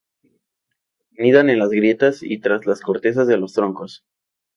Anidan en las grietas y tras las cortezas de los troncos.